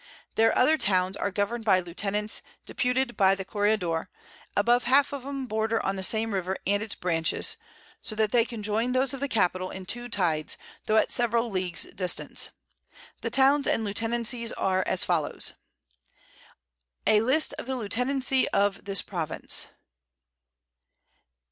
Their other Towns are govern'd by Lieutenants deputed by the Corregidore; above half of 'em border on the same River and its Branches, so that they can join those of the Capital in 2 Tides, tho' at several Leagues distance. These Towns and Lieutenancies are as follow. _A LIST of the Lieutenancy of this Province.